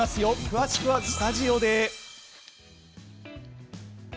詳しくはスタジオで。